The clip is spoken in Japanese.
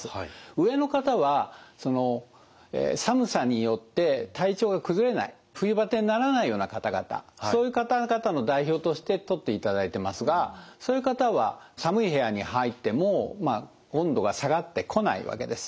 上の方は寒さによって体調が崩れない冬バテにならないような方々そういう方々の代表としてとっていただいてますがそういう方は寒い部屋に入っても温度が下がってこないわけです。